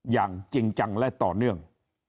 อย่างจริงจังและต่อเนื่อง